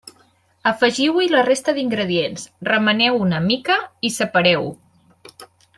Afegiu-hi la resta d'ingredients, remeneu-ho una mica i separeu-ho.